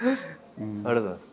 ありがとうございます。